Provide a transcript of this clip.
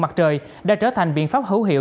mặt trời đã trở thành biện pháp hữu hiệu